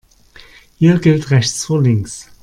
Hier gilt rechts vor links.